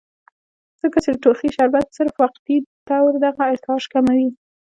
ځکه چې د ټوخي شربت صرف وقتي طور دغه ارتعاش کموي